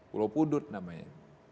pulau pudut namanya